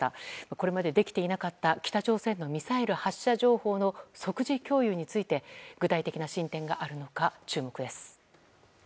これまでできていなかった北朝鮮のミサイル発射情報の即時共有について具体的な進展があるのか注目です。